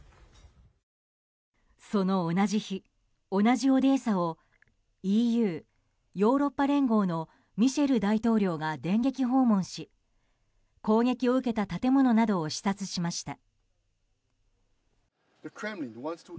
その同じ日、同じオデーサをＥＵ・ヨーロッパ連合のミシェル大統領が電撃訪問し攻撃を受けた建物などを視察しました。